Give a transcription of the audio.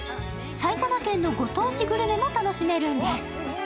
埼玉県のご当地グルメも楽しめるんです。